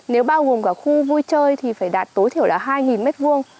nếu bao gồm cả khu vui chơi thì phải đạt tối thiểu là hai mét vuông